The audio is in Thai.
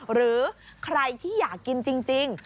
หรือใครที่อยากกินจริง